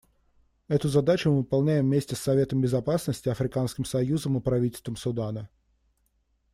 Эту задачу мы выполняем вместе с Советом Безопасности, Африканским союзом и правительством Судана.